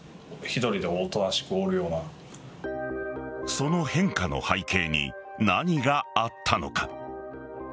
その変化の背景に何があったのか。